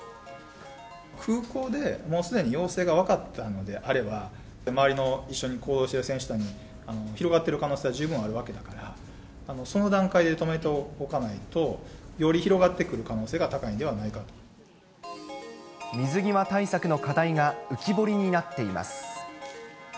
空港でもうすでに陽性が分かったのであれば、周りの一緒に行動している選手団に広がってる可能性は十分あるわけだから、その段階で止めておかないと、より広がってくる可能性水際対策の課題が浮き彫りになっています。